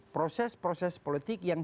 proses proses politik yang